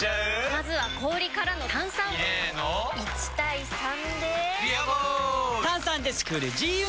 まずは氷からの炭酸！入れの１：３で「ビアボール」！